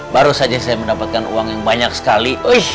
baru saja saya mendapatkan uang yang banyak sekali